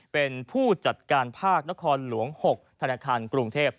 เป็นผู้จัดการภาคนครหลวง๖ธนาคารกรุงเทพ